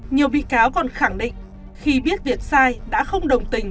nhiều bị cáo còn khẳng định khi biết việc sai đã không đồng tình